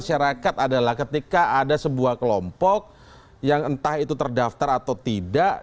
masyarakat adalah ketika ada sebuah kelompok yang entah itu terdaftar atau tidak